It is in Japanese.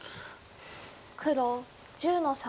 黒１０の三。